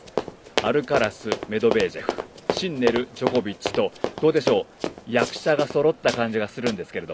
アルカラス、メドべージェフシンネル、ジョコビッチとどうでしょう、役者がそろった感じがするんですけど。